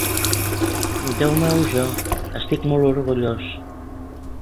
Deu meu Jo, estic molt orgullós!